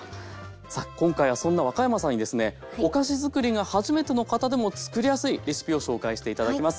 さあ今回はそんな若山さんにですねお菓子づくりが初めての方でもつくりやすいレシピを紹介して頂きます。